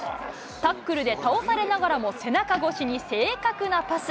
タックルで倒されながらも、背中越しに正確なパス。